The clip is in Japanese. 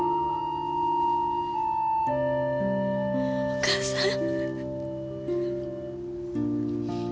お母さん。